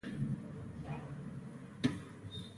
کومېنډا نوي سوداګر شتمن کړل